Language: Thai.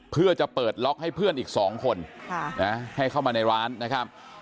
เพื่อจะเปิดล็อกให้เพื่อนอีก๒คนให้เข้ามาในร้านนะครับ